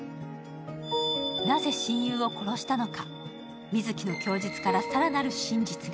なぜ親友を殺したのか、美月の供述から更なる真実が。